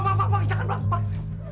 pak pak pak jangan bang pak